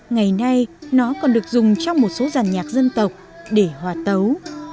ngày nay nó còn được dùng trong một số giàn nhạc dân tộc để hòa tấu